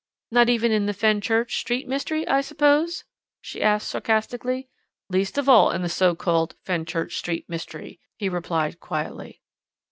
"Not even in the Fenchurch Street mystery. I suppose," she asked sarcastically. "Least of all in the so called Fenchurch Street mystery," he replied quietly.